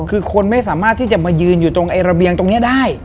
คือคนไม่สามารถที่จะมายืนอยู่ตรงระเบียงตรงนี้ได้